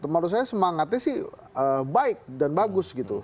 menurut saya semangatnya sih baik dan bagus gitu